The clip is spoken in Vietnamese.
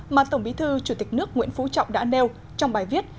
mà tổng bí thư chủ tịch nước nguyễn phú trọng đã nêu trong bài viết